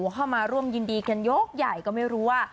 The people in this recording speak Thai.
เข้ามาร่วมยินดีกันยกใหญ่ก็ไม่รู้ว่า